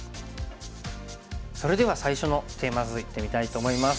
それでは最初のテーマ図いってみたいと思います。